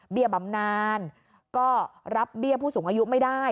บำนานก็รับเบี้ยผู้สูงอายุไม่ได้